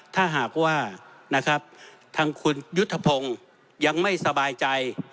ถ้าหากว่านะครับทางคุณยุทธพงศ์ยังไม่สบายใจ